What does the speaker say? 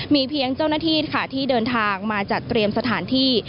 มีเพียงเจ้าหน้าที่ค่ะที่เดินทางมาจัดเตรียมสถานที่